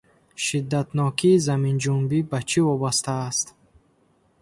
Шиддатнокии заминҷунбӣ ба чӣ вобаста аст?